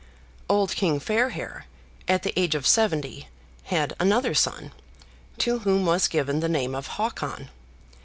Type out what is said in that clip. Old King Fairhair, at the age of seventy, had another son, to whom was given the name of Hakon.